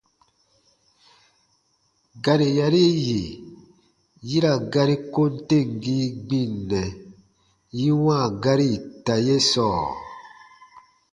Gari yari yì yi ra gari kom temgii gbinnɛ yi wãa gari ita ye sɔɔ?